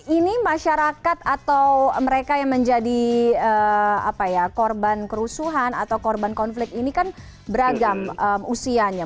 ini masyarakat atau mereka yang menjadi korban kerusuhan atau korban konflik ini kan beragam usianya